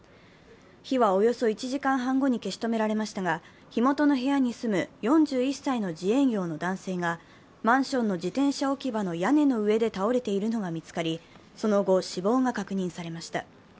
火はおよそ１時間半後に消し止められましたが火元の部屋に住む４１歳の自営業の男性が、マンションの自転車置き場の屋根の上で倒れているのが見つかり、その後、死亡が確認されました。